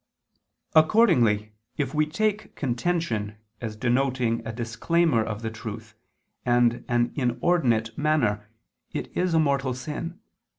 Accordingly if we take contention as denoting a disclaimer of the truth and an inordinate manner, it is a mortal sin.